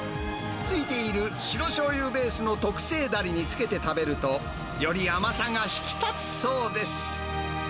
付いている白しょうゆベースの特製だれにつけて食べると、より甘さが引き立つそうです。